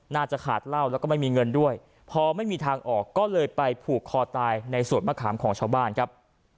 น่าจะขาดเหล้าแล้วก็ไม่มีเงินด้วยพอไม่มีทางออกก็เลยไปผูกคอตายในสวนมะขามของชาวบ้านครับ